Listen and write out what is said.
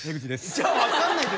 じゃあ分かんないですよ。